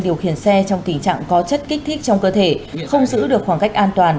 điều khiển xe trong tình trạng có chất kích thích trong cơ thể không giữ được khoảng cách an toàn